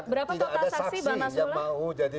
berapa total saksi mbak mas hula